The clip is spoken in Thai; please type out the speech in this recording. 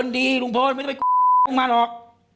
ครับ